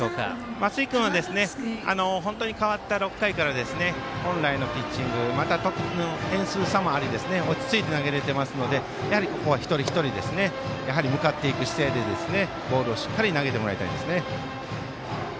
松井君は代わった６回から本来のピッチングまた点数差もあり落ち着いて投げれてますのでここは一人一人向かっていく姿勢でボールをしっかり投げてもらいたいです。